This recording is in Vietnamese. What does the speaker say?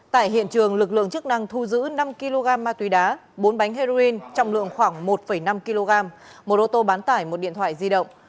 tại hiện trường lực lượng chức năng thu giữ năm kg ma túy đá bốn bánh heroin trọng lượng khoảng một năm kg một ô tô bán tải một điện thoại di động